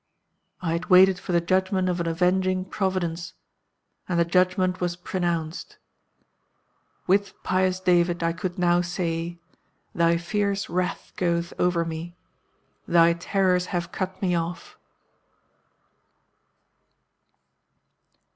I had waited for the judgment of an Avenging Providence. And the judgment was pronounced. With pious David I could now say, Thy fierce wrath goeth over me; thy terrors have cut me off."